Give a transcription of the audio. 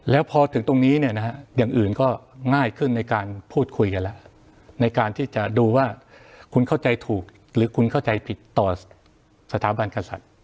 แล้วพอถึงตรงนี้เนี่ยนะฮะอย่างอื่นก็ง่ายขึ้นในการพูดคุยกันแล้วในการที่จะดูว่าคุณเข้าใจถูกหรือคุณเข้าใจผิดต่อสถาบันกษัตริย์